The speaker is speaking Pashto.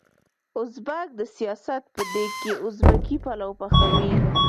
ازبک د سياست په دېګ کې ازبکي پلو پخوي.